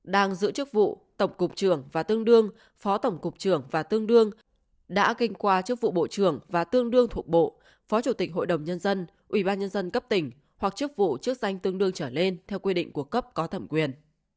đang giữ chức vụ tổng cục trưởng và tương đương phó tổng cục trưởng và tương đương đã kinh qua chức vụ bộ trưởng và tương đương thuộc bộ phó chủ tịch hội đồng nhân dân ủy ban nhân dân cấp tỉnh hoặc chức vụ chức danh tương đương trở lên theo quy định của cấp có thẩm quyền